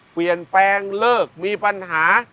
เปลี่ยนแปลงเลิกมีปัญหา